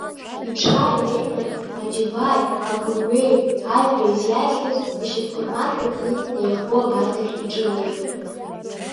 Иҽааилеиҳәан, аџьабааи, агәырҩеи, ажәреи зиааихьаз ишьапқәа рмаршәа кны еихго абарҵахь иҿынеихеит.